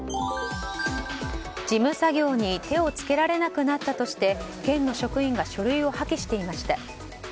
事務作業に手を付けられなくなったとして県の職員が書類を破棄していました。